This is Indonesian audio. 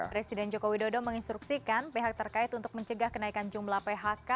presiden jokowi dodo menginstruksikan phk terkait untuk mencegah kenaikan jumlah phk